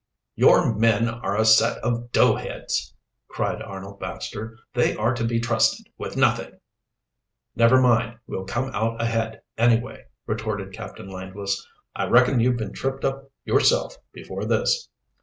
"Your men are a set of doughheads," cried Arnold Baxter. "They are to be trusted with nothing." "Never mind, we'll come out ahead anyway," retorted Captain Langless. "I reckon you've been tripped up yourself before this."